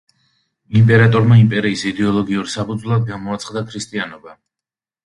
იმპერატორმა იმპერიის იდეოლოგიურ საფუძვლად გამოაცხადა ქრისტიანობა.